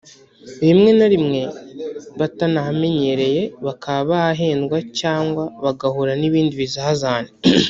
rimwe na rimwe batanahamenyereye bakaba bahendwa cyangwa bagahura n’ibindi bizazane